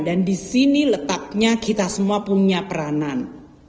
dan disini letaknya kita semua punya peranan